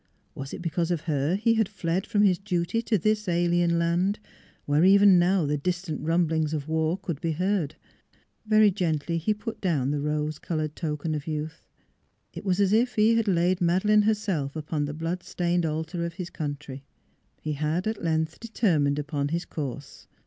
Was it because of her he had fled from his duty to this alien land, where even now the distant rumblings of war could be heard? Very gently he put down the rose colored token of youth. It was as if he had laid Madeleine herself upon the blood stained altar of his country. He had at length determined upon his course.